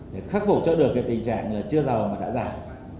để khắc phục cho được cái tình trạng là chưa giàu mà đã giảm